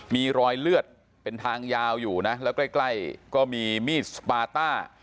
มีรอยเลือดเป็นทางยาวอยู่นะแล้วใกล้ใกล้ก็มีมีดสปาต้า